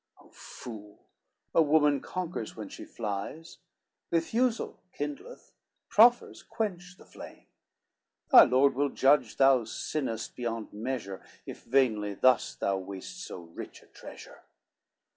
O fool, a woman conquers when she flies, Refusal kindleth, proffers quench the flame. Thy lord will judge thou sinnest beyond measure, If vainly thus thou waste so rich a treasure."